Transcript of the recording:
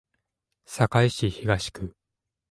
堺市東区